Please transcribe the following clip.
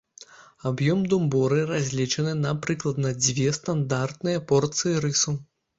Аб'ём домбуры разлічаны на прыкладна дзве стандартныя порцыі рысу.